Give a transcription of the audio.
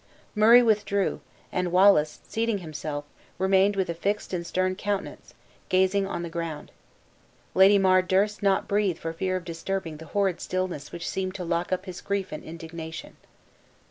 Murray withdrew; and Wallace, seating himself, remained with a fixed and stern countenance, gazing on the ground. Lady Mar durst not breathe for fear of disturbing the horrid stillness which seemed to lock up his grief and indignation.